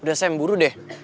udah sam buru deh